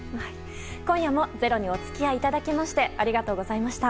今夜も「ｚｅｒｏ」にお付き合いいただきましてありがとうございました。